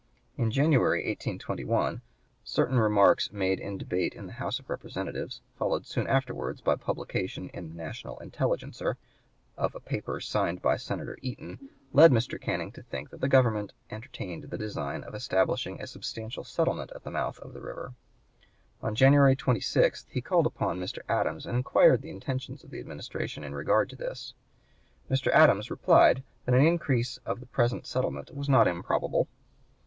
In January, 1821, certain remarks made in debate in the House of Representatives, followed soon afterward by publication in the "National Intelligencer" of a paper signed by Senator Eaton, led Mr. Canning to think that the Government entertained the design of establishing a substantial settlement at the mouth of the river. On January 26 he called upon Mr. Adams and inquired the intentions of the Administration in regard to this. Mr. Adams replied that an increase of the present settlement was not improbable.